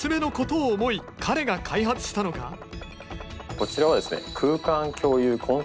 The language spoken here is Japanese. こちらはですね